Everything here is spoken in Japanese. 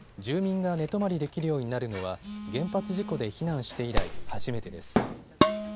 住民が寝泊まりできるようになるのは原発事故で避難して以来、初めてです。